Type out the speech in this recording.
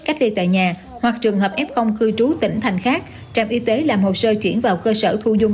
cách ly tại nhà hoặc trường hợp f cư trú tỉnh thành khác trạm y tế làm hồ sơ chuyển vào cơ sở thu dung